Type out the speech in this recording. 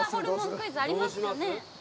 クイズありますかね？